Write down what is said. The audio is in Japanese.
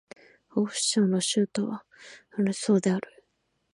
河北省の省都は石家荘である